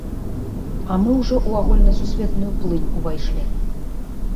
А мы ўжо ў агульнасусветную плынь увайшлі.